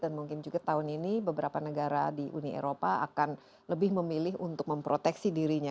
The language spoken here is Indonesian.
dan mungkin juga tahun ini beberapa negara di uni eropa akan lebih memilih untuk memproteksi dirinya